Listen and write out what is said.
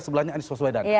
sebelahnya anies paswedan